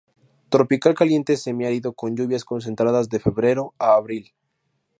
Tropical caliente semiárido con lluvias concentradas de febrero a abril.